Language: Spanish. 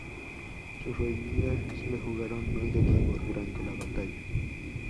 Sus rodillas le jugaron mal de nuevo durante la batalla.